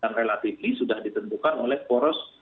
dan relatif sudah ditentukan oleh poros